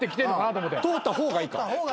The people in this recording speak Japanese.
通った方がいいか。